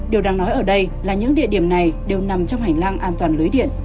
điều đang nói ở đây là những địa điểm này đều nằm trong hành lang an toàn lưới điện